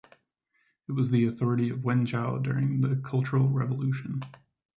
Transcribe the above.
It was the authority of Wenzhou during the cultural revolution.